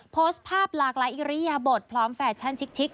โพสต์ภาพหลากหลายอิริยบทพร้อมแฟชั่นชิค